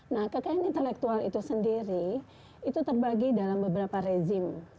nah kekayaan intelektual itu sendiri itu terbagi dalam beberapa rezim